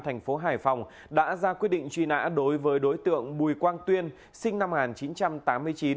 thành phố hải phòng đã ra quyết định truy nã đối với đối tượng bùi quang tuyên sinh năm một nghìn chín trăm tám mươi chín